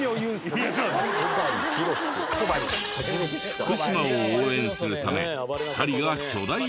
福島を応援するため２人が巨大施設へ！